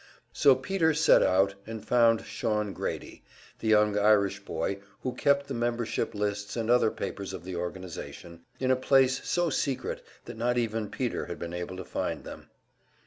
So Peter set out and found Shawn Grady, the young Irish boy who kept the membership lists and other papers of the organization, in a place so secret that not even Peter had been able to find them.